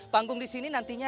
panggung disini nantinya